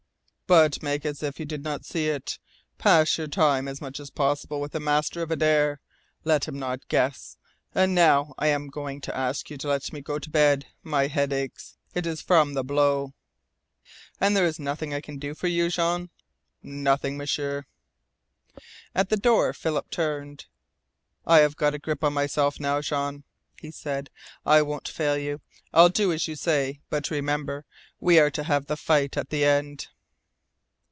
But make as if you did not see it. Pass your time as much as possible with the master of Adare. Let him not guess. And now I am going to ask you to let me go to bed. My head aches. It is from the blow." "And there is nothing I can do for you, Jean?' "Nothing, M'sieur." At the door Philip turned. "I have got a grip on myself now, Jean," he said. "I won't fail you. I'll do as you say. But remember, we are to have the fight at the end!"